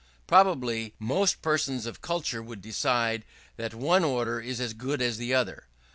Probably, most persons of culture would decide that one order is as good as the other.